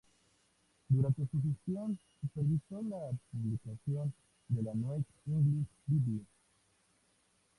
Durante su gestión supervisó la publicación de la "New English Bible".